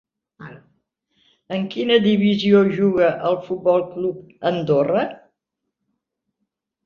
En quina divisió juga el Futbol Club Andorra?